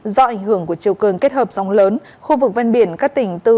do ảnh hưởng của chiều cường kết hợp sóng lớn khu vực ven biển các tỉnh từ